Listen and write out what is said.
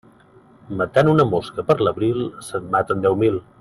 Matant una mosca per l'abril, se'n maten deu mil.